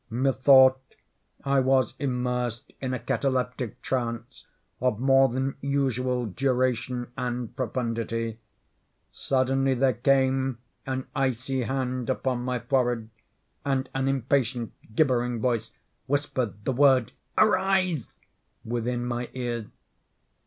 Methought I was immersed in a cataleptic trance of more than usual duration and profundity. Suddenly there came an icy hand upon my forehead, and an impatient, gibbering voice whispered the word "Arise!" within my ear.